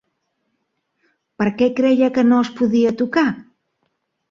Per què creia que no es podia tocar?